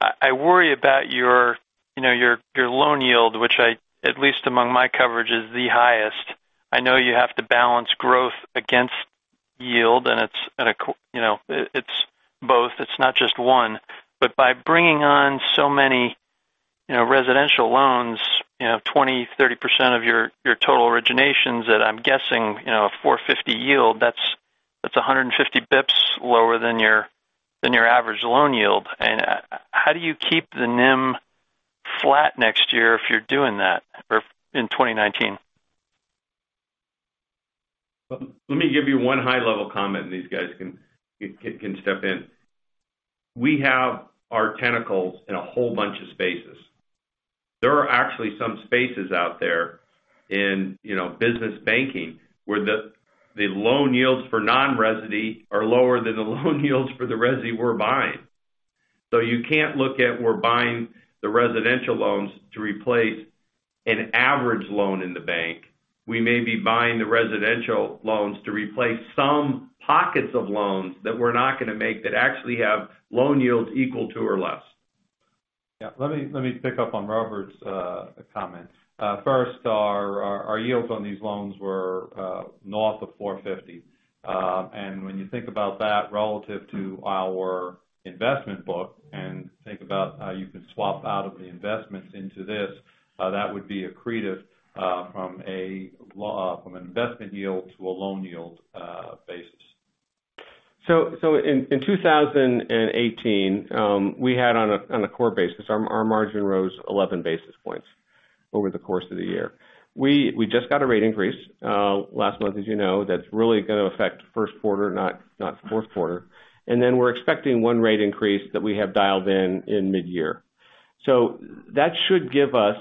that I worry about your loan yield, which at least among my coverage, is the highest. I know you have to balance growth against yield, and it's both. It's not just one. By bringing on so many residential loans, 20%-30% of your total originations that I'm guessing a 450 yield, that's 150 basis points lower than your average loan yield. How do you keep the NIM flat next year if you're doing that in 2019? Let me give you one high-level comment, and these guys can step in. We have our tentacles in a whole bunch of spaces. There are actually some spaces out there in business banking where the loan yields for non-residy are lower than the loan yields for the residy we're buying. You can't look at we're buying the residential loans to replace an average loan in the bank. We may be buying the residential loans to replace some pockets of loans that we're not going to make that actually have loan yields equal to or less. Yeah. Let me pick up on Robert's comment. First, our yields on these loans were north of 450. When you think about that relative to our investment book, think about how you can swap out of the investments into this, that would be accretive from an investment yield to a loan yield basis. In 2018, we had on a core basis, our margin rose 11 basis points over the course of the year. We just got a rate increase last month, as you know. That's really going to affect first quarter, not fourth quarter. Then we're expecting one rate increase that we have dialed in in mid-year. That should give us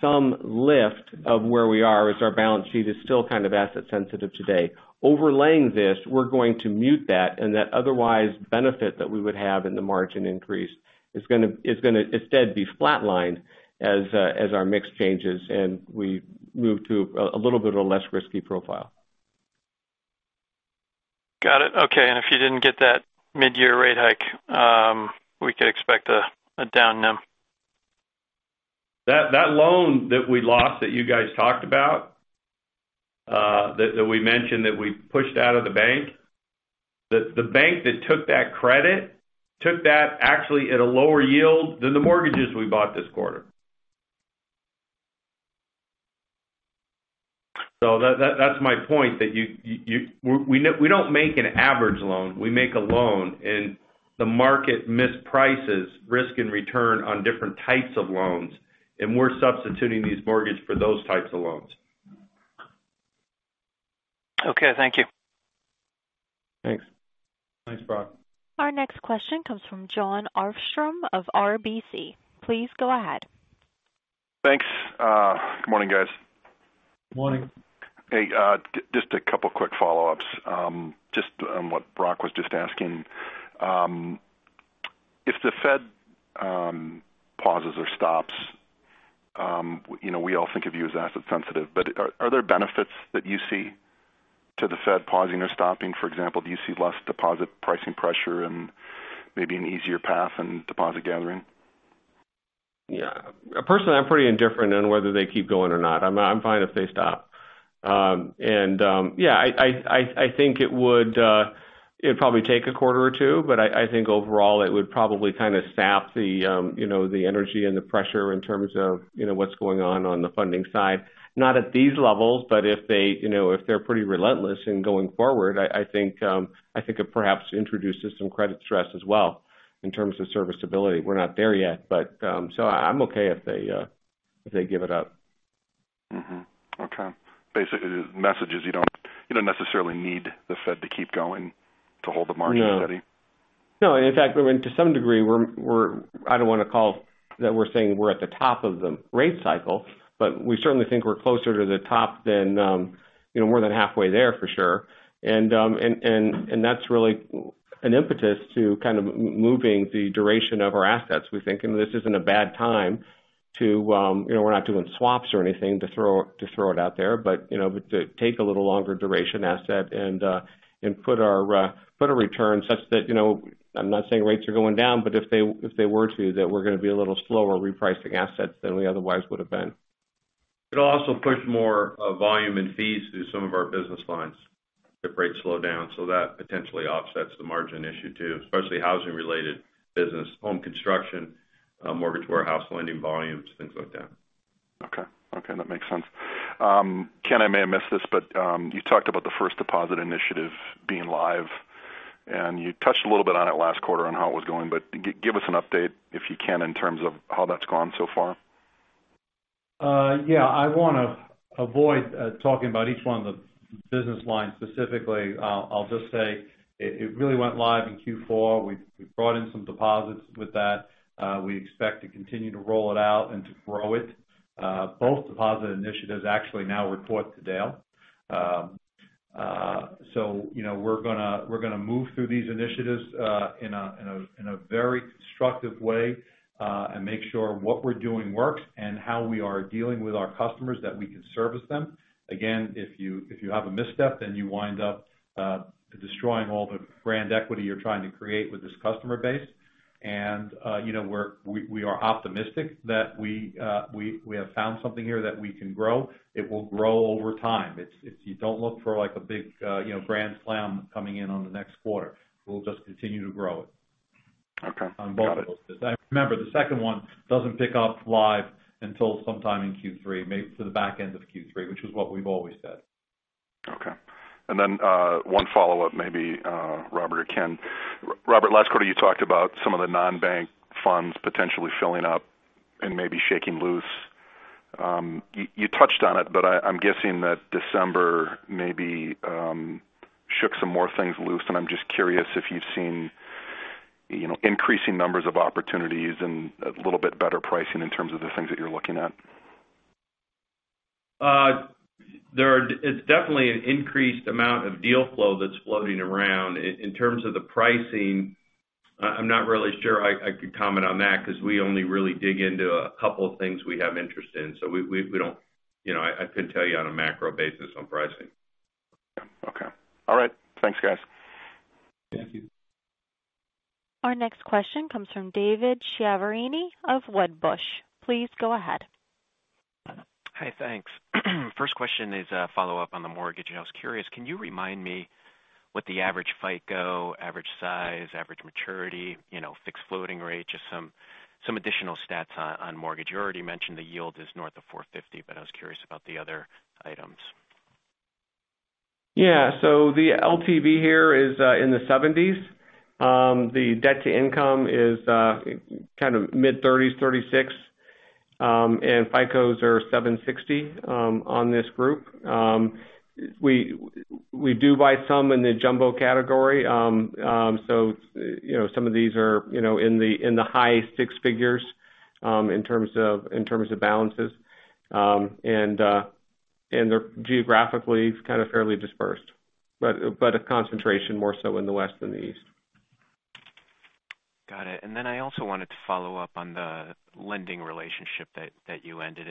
some lift of where we are, as our balance sheet is still kind of asset sensitive today. Overlaying this, we're going to mute that otherwise benefit that we would have in the margin increase is going to instead be flat-lined as our mix changes, and we move to a little bit of a less risky profile. Got it. Okay. If you didn't get that mid-year rate hike, we could expect a down NIM. That loan that we lost that you guys talked about, that we mentioned that we pushed out of the bank. The bank that took that credit, took that actually at a lower yield than the mortgages we bought this quarter. That's my point. We don't make an average loan. We make a loan, and the market misprices risk and return on different types of loans, and we're substituting these mortgage for those types of loans. Okay. Thank you. Thanks. Thanks, Brock. Our next question comes from Jon Arfstrom of RBC. Please go ahead. Thanks. Good morning, guys. Morning. Hey. Just a couple quick follow-ups. Just on what Brock was just asking. Are there benefits that you see to the Fed pausing or stopping? For example, do you see less deposit pricing pressure and maybe an easier path in deposit gathering? Yeah. Personally, I'm pretty indifferent on whether they keep going or not. I'm fine if they stop. Yeah, I think it'd probably take a quarter or two, but I think overall, it would probably kind of sap the energy and the pressure in terms of what's going on on the funding side. Not at these levels, but if they're pretty relentless in going forward, I think it perhaps introduces some credit stress as well in terms of service stability. We're not there yet. I'm okay if they give it up. Okay. Basically, the message is you don't necessarily need the Fed to keep going to hold the margin steady? No. No, in fact, to some degree, I don't want to call that we're saying we're at the top of the rate cycle, but we certainly think we're closer to the top. We're more than halfway there for sure. That's really an impetus to kind of moving the duration of our assets, we think. This isn't a bad time. We're not doing swaps or anything to throw it out there. To take a little longer duration asset and put a return such that, I'm not saying rates are going down, but if they were to, that we're going to be a little slower repricing assets than we otherwise would have been. It'll also push more volume and fees through some of our business lines if rates slow down. That potentially offsets the margin issue too, especially housing-related business, home construction, mortgage warehouse lending volumes, things like that. Okay. That makes sense. Ken, I may have missed this, but you talked about the first deposit initiative being live, and you touched a little bit on it last quarter on how it was going. Give us an update if you can in terms of how that's gone so far. Yeah. I want to avoid talking about each one of the business lines specifically. I'll just say it really went live in Q4. We brought in some deposits with that. We expect to continue to roll it out and to grow it. Both deposit initiatives actually now report to Dale. We're going to move through these initiatives in a very constructive way, and make sure what we're doing works and how we are dealing with our customers that we can service them. Again, if you have a misstep, then you wind up destroying all the brand equity you're trying to create with this customer base. We are optimistic that we have found something here that we can grow. It will grow over time. Don't look for a big grand slam coming in on the next quarter. We'll just continue to grow it. Okay. Got it. Remember, the second one doesn't pick up live until sometime in Q3, maybe to the back end of Q3, which is what we've always said. Okay. One follow-up, maybe Robert or Ken. Robert, last quarter, you talked about some of the non-bank funds potentially filling up and maybe shaking loose. You touched on it, but I'm guessing that December maybe shook some more things loose, and I'm just curious if you've seen increasing numbers of opportunities and a little bit better pricing in terms of the things that you're looking at. It's definitely an increased amount of deal flow that's floating around. In terms of the pricing, i'm not really sure I could comment on that because we only really dig into a couple of things we have interest in. I couldn't tell you on a macro basis on pricing. Yeah. Okay. All right. Thanks, guys. Thank you. Our next question comes from David Chiaverini of Wedbush. Please go ahead. Hi. Thanks. First question is a follow-up on the mortgage. I was curious, can you remind me what the average FICO, average size, average maturity, fixed floating rate, just some additional stats on mortgage. You already mentioned the yield is north of 450, but I was curious about the other items. Yeah. The LTV here is in the 70s. The debt to income is kind of mid-30s, 36. FICOs are 760 on this group. We do buy some in the jumbo category. Some of these are in the high six figures in terms of balances. They're geographically kind of fairly dispersed, but a concentration more so in the west than the east. Got it. I also wanted to follow up on the lending relationship that you ended.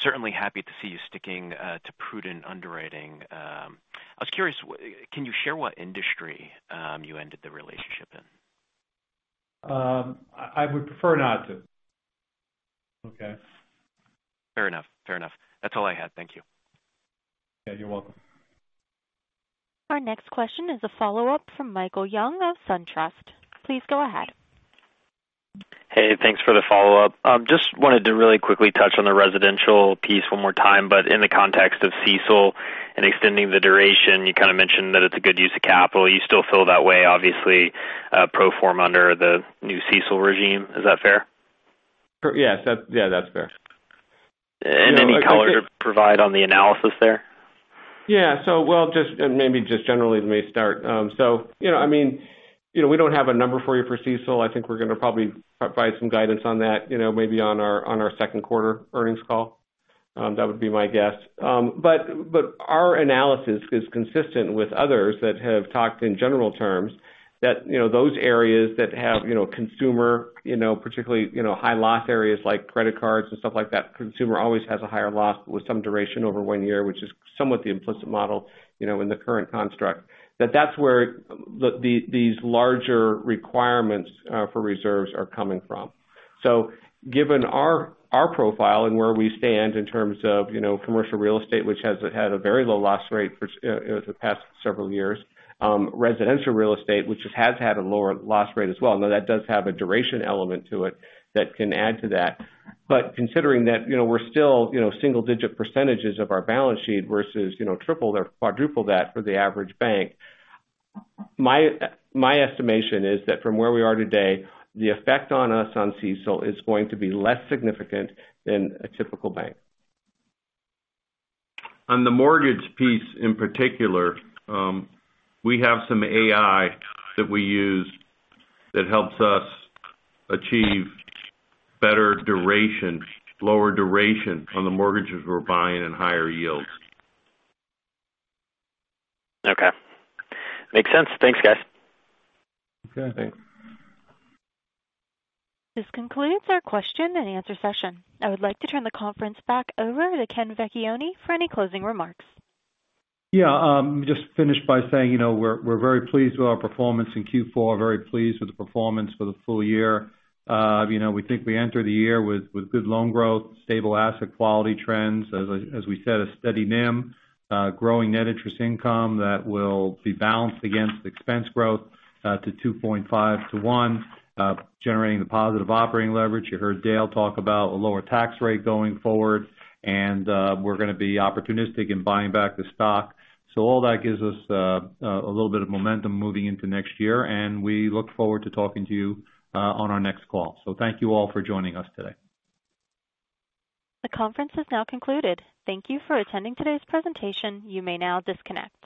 Certainly happy to see you sticking to prudent underwriting. I was curious, can you share what industry you ended the relationship in? I would prefer not to. Okay? Fair enough. That's all I had. Thank you. Yeah, you're welcome. Our next question is a follow-up from Michael Young of SunTrust. Please go ahead. Hey, thanks for the follow-up. Just wanted to really quickly touch on the residential piece one more time, but in the context of CECL and extending the duration. You kind of mentioned that it's a good use of capital. You still feel that way, obviously, pro forma under the new CECL regime. Is that fair? Yes. That's fair. Any color to provide on the analysis there? Yeah. Well, maybe just generally may start. We don't have a number for you for CECL. I think we're going to probably provide some guidance on that maybe on our second quarter earnings call. That would be my guess. Our analysis is consistent with others that have talked in general terms that those areas that have consumer, particularly high loss areas like credit cards and stuff like that, consumer always has a higher loss with some duration over one year, which is somewhat the implicit model in the current construct. That's where these larger requirements for reserves are coming from. Given our profile and where we stand in terms of commercial real estate, which has had a very low loss rate for the past several years. Residential real estate, which has had a lower loss rate as well. That does have a duration element to it that can add to that. Considering that we're still single-digit percentages of our balance sheet versus triple or quadruple that for the average bank. My estimation is that from where we are today, the effect on us on CECL is going to be less significant than a typical bank. On the mortgage piece in particular, we have some AI that we use that helps us achieve better duration, lower duration on the mortgages we're buying and higher yields. Okay. Makes sense. Thanks, guys. Okay. This concludes our question and answer session. I would like to turn the conference back over to Ken Vecchione for any closing remarks. Yeah. Just finish by saying, we're very pleased with our performance in Q4, very pleased with the performance for the full year. We think we enter the year with good loan growth, stable asset quality trends, as we said, a steady NIM, growing net interest income that will be balanced against expense growth to 2.5:1, generating the positive operating leverage. You heard Dale talk about a lower tax rate going forward, and we're going to be opportunistic in buying back the stock. All that gives us a little bit of momentum moving into next year, and we look forward to talking to you on our next call. Thank you all for joining us today. The conference has now concluded. Thank you for attending today's presentation. You may now disconnect.